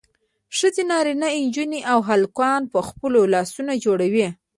ښځې نارینه نجونې او هلکان یې په خپلو لاسونو جوړوي.